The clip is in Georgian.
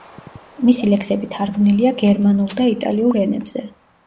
მისი ლექსები თარგმნილია გერმანულ და იტალიურ ენებზე.